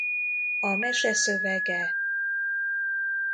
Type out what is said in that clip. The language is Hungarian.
A mese szövege